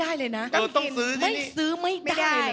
ที่จะเป็นความสุขของชาวบ้าน